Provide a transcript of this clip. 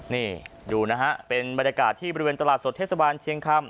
นี่ดูนะฮะเป็นบรรยากาศที่บริเวณตลาดสดเทศบาลเชียงคำ